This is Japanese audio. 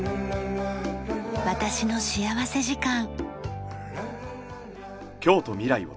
『私の幸福時間』。